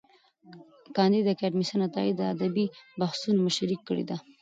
کانديد اکاډميسن عطايي د ادبي بحثونو مشري کړې ده.